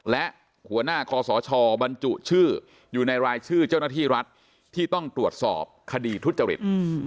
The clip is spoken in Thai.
และหัวหน้าคอสชบรรจุชื่ออยู่ในรายชื่อเจ้าหน้าที่รัฐที่ต้องตรวจสอบคดีทุจริต